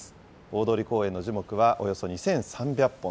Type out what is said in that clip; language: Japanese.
大通公園の樹木はおよそ２３００本。